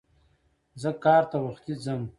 زه کار ته وختي ځم.